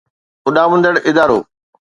اڏامندڙ ادارو